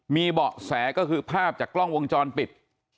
มีเบาะแสก็คือภาพจากกล้องวงจรปิด